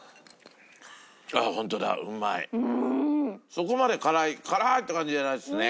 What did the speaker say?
そこまで辛い辛っ！って感じじゃないですね。